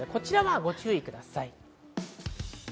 こ注意ください。